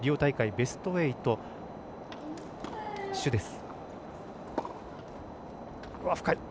ベスト８、朱です。